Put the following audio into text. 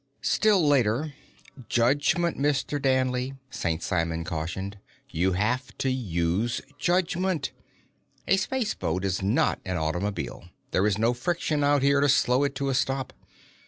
Still later: "Judgment, Mr. Danley!" St. Simon cautioned. "You have to use judgment! A space boat is not an automobile. There is no friction out here to slow it to a stop.